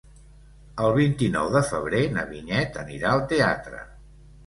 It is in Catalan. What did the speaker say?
El vint-i-nou de febrer na Vinyet anirà al teatre.